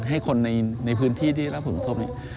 ให้คนในพื้นที่ที่รับผลพภพนี่